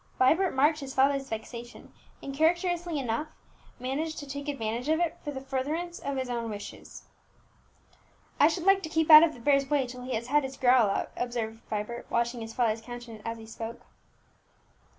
Vibert marked his father's vexation, and characteristically enough managed to take advantage of it for the furtherance of his own wishes. "I should like to keep out of the bear's way till he has had his growl out," observed Vibert, watching his father's countenance as he spoke.